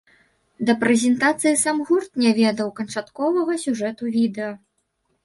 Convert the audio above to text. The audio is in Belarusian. Да прэзентацыі сам гурт не ведаў канчатковага сюжэту відэа.